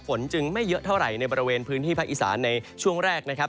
จึงไม่เยอะเท่าไหร่ในบริเวณพื้นที่ภาคอีสานในช่วงแรกนะครับ